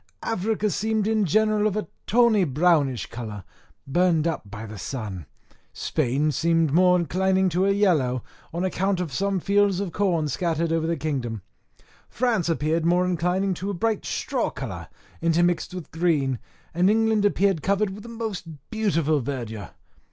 Africa seemed in general of a tawny brownish colour, burned up by the sun: Spain seemed more inclining to a yellow, on account of some fields of corn scattered over the kingdom; France appeared more inclining to a bright straw colour, intermixed with green; and England appeared covered with the most beautiful verdure.